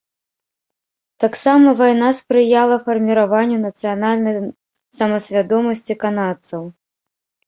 Таксама вайна спрыяла фарміраванню нацыянальнай самасвядомасці канадцаў.